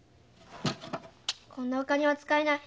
こんなお金は使えない。